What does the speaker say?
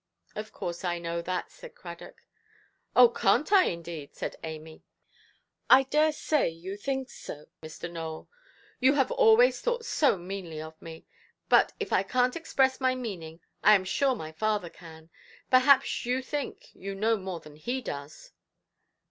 "Of course, I know that", said Cradock. "Oh, canʼt I, indeed"? said Amy; "I dare say you think so, Mr. Nowell. You have always thought so meanly of me. But, if I canʼt express my meaning, I am sure my father can. Perhaps you think you know more than he does".